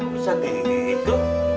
bisa deh itu